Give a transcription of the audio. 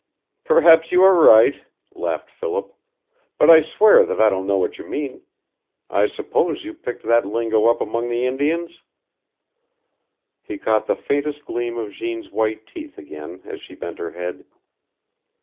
"Perhaps you are right," laughed Philip, "but I swear that I don't know what you mean. I suppose you picked that lingo up among the Indians." He caught the faintest gleam of Jeanne's white teeth again as she bent her head.